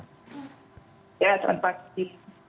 ya selamat pagi